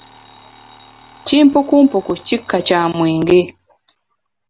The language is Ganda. Kimpukumpuku kika kya mwenge.